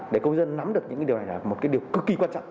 để công dân nắm được những điều này là một cái điều cực kỳ quan trọng